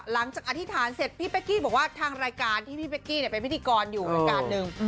อธิษฐานเสร็จพี่เป๊กกี้บอกว่าทางรายการที่พี่เป๊กกี้เป็นพิธีกรอยู่รายการหนึ่ง